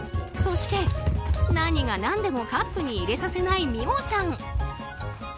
そして、何が何でもカップに入れさせないミモちゃん。